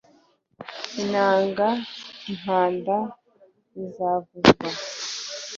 inanga impanda bizavuzwa